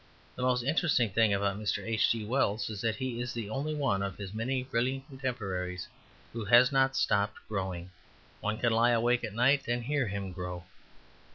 The most interesting thing about Mr. H. G. Wells is that he is the only one of his many brilliant contemporaries who has not stopped growing. One can lie awake at night and hear him grow.